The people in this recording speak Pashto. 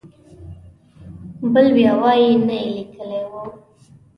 بل بیا وایي نه یې لیکلی و.